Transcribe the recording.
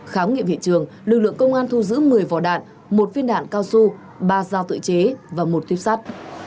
khám nghiệm hiện trường lực lượng công an thu giữ một mươi vỏ đạn một viên đạn cao su ba dao tự chế và một tuyếp sắt